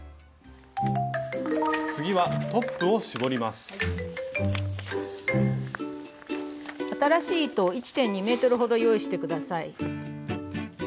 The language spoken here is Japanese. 次は新しい糸を１．２ｍほど用意して下さい。